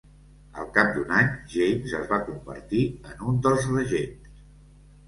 Al cap d'un any, James es va convertir en un dels regents.